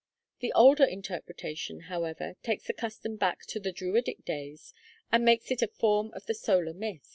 The older interpretation, however, takes the custom back to the Druidic days, and makes it a form of the solar myth.